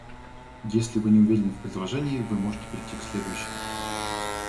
Если вы не уверены в предложении, вы можете перейти к следующему.